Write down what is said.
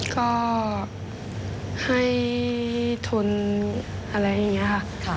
ก็ให้ทุนอะไรอย่างนี้ค่ะ